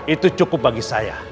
itu cukup bagi saya